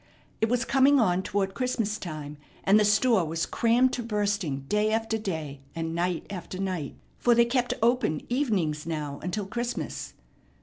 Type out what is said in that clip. It was coming on toward Christmas time, and the store was crammed to bursting day after day and night after night, for they kept open evenings now until Christmas.